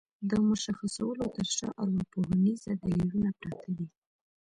د مشخصولو تر شا ارواپوهنيز دليلونه پراته دي.